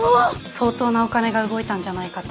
相当なお金が動いたんじゃないかと。